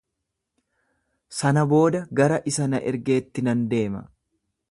Sana booda gara isa na ergeetti nan deema.